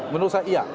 menurut saya iya